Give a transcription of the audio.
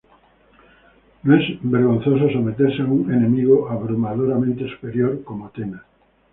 No es vergonzoso someterse a un enemigo abrumadoramente superior como Atenas.